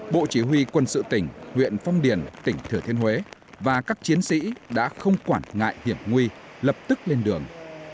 bộ chỉ huy quân sự tỉnh huyện phong điền tỉnh thừa thiên huế và các chiến sĩ đã không quản ngại hiểm nguy lập tức lên đường